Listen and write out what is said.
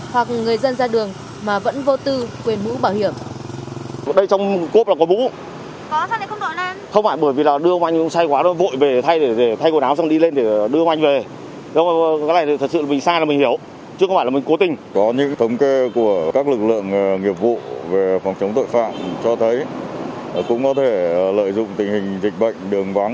hoặc người dân ra đường mà vẫn vô tư quên bũ bảo hiểm